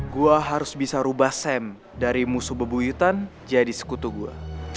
gue harus bisa rubah sem dari musuh bebuyutan jadi sekutu gue